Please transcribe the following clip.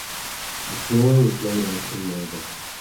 The floor was laid out in marble.